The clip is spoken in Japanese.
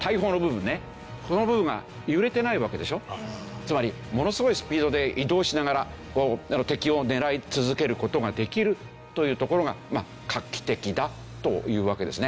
つまりものすごいスピードで移動しながら敵を狙い続ける事ができるというところが画期的だというわけですね。